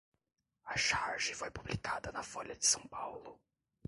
A charge foi publicada na Folha de São Paulo